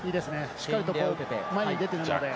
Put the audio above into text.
しっかりと前に出てるので。